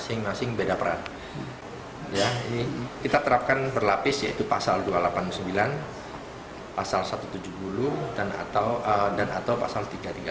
masing masing beda peran ya ini kita terapkan berlapis yaitu pasal dua ratus delapan puluh sembilan pasal satu ratus tujuh puluh dan atau dan atau pasal tiga ratus tiga puluh